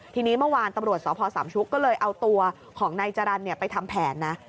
ทีนี้เมื่อวานตำรวจสพสามชุกก็เลยเอาตัวของนายจรรย์ไปทำแผนนะ